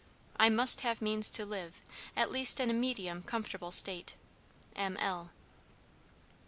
"I must have means to live, at least in a medium comfortable state. "M. L."